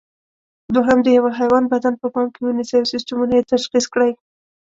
دوهم: د یوه حیوان بدن په پام کې ونیسئ او سیسټمونه یې تشخیص کړئ.